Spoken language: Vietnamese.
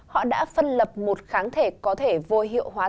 họ đã phân lập một kháng thể có thể vô hiệu hóa